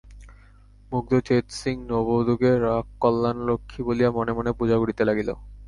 মুগ্ধ চেৎসিং নববধূকে ঘরের কল্যাণলক্ষ্মী বলিয়া মনে মনে পূজা করিতে লাগিল।